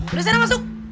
udah sena masuk